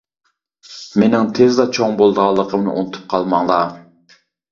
مېنىڭ تېزلا چوڭ بولىدىغانلىقىمنى ئۇنتۇپ قالماڭلار.